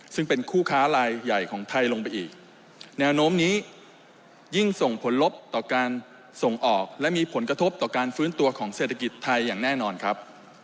ซึ่งเป็นคู่ค้าลายใหญ่ของไทยลงไปอีกแนวโน้มนี้ยิ่งส่งผลลบต่อการส่งออกและมีผลกระทบต่อการฟื้นตัวของเศรษฐกิจไทยอย่างแน่นอนครับ